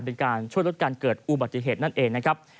เป็นการช่วยลดการเกิดอุบัติเหตุนั่นเองนะครับ